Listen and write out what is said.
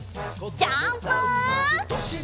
ジャンプ！